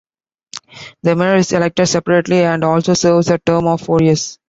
The Mayor is elected separately and also serves a term of four years.